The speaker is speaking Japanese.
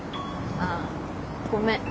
ああごめん。